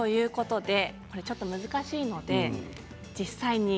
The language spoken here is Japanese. ちょっと難しいので実際に